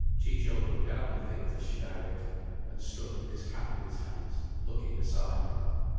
Ciccio put down the things as she directed, and stood with his cap in his hands, looking aside.